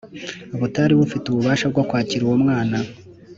butari bufite ububasha bwo kwakira uwo mwana.